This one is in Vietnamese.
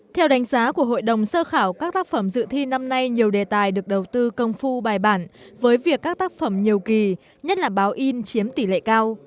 theo đánh giá của hội đồng sơ khảo các tác phẩm dự thi năm nay nhiều đề tài được đầu tư công phu bài bản với việc các tác phẩm nhiều kỳ nhất là báo in chiếm tỷ lệ cao